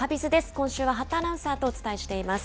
今週は八田アナウンサーとお伝えしています。